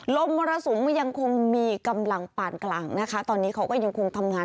มรสุมก็ยังคงมีกำลังปานกลางนะคะตอนนี้เขาก็ยังคงทำงาน